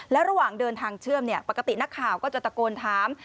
และระหว่างเดินทางเชื่อมปกตินักข่าวก็จะตะโกนถาม